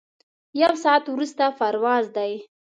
یو ساعت وروسته پرواز دی.